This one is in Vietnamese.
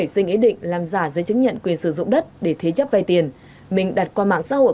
xin ý định làm giả giấy chứng nhận quyền sử dụng đất để thế chấp vay tiền mình đặt qua mạng xã hội